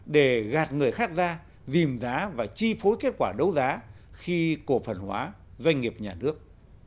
để gạt người khác ra dìm giá và chi phối kết quả đấu giá khi cổ phần hóa doanh nghiệp nhà nước